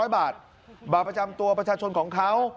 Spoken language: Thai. ๐บาทบัตรประจำตัวประชาชนของเขา